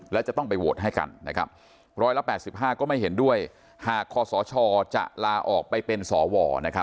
และจะต้องไปโวตให้กันนะครับร้อยละ๘๕ก็ไม่เห็นด้วยหากคอสชจะลาออกไปเป็นสอว